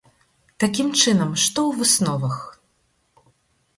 Такім чынам, што ў высновах?